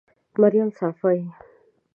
مريم صافۍ